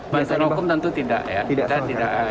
masalah hukum tentu tidak ya